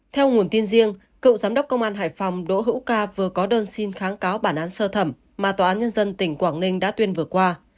theo nguồn tin riêng cựu giám đốc công an hải phòng đỗ hữu ca vừa có đơn xin kháng cáo bản án sơ thẩm mà tòa án nhân dân tỉnh quảng ninh đã tuyên vừa qua